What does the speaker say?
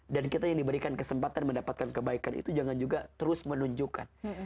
dan kita yang diberikan kesempatan mendapatkan kebaikan itu jangan juga terus menunjukkan